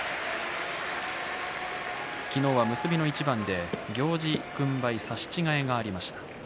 昨日は結びの一番で行司軍配差し違えがありました。